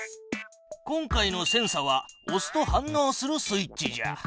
今回のセンサはおすと反のうするスイッチじゃ。